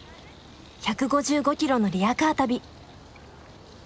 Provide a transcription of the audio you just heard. １５５ｋｍのリヤカー旅。